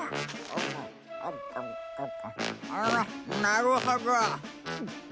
なるほど。